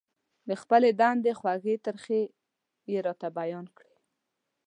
د خپلې دندې خوږې ترخې يې راته بيان کړې.